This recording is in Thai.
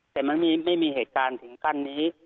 แต่มันไม่มีเหตุการณ์ถึงขั้นนี้